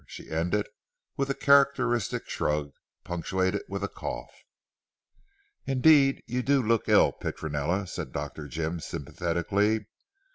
and she ended with a characteristic shrug, punctuated with a cough. "Indeed you do look ill Petronella," said Dr. Jim sympathetically.